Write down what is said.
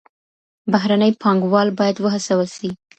بهرني پانګوال بايد وهڅول سي.